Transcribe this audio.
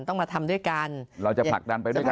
ต้องมาทำด้วยกันเราจะผลักดันไปด้วยกัน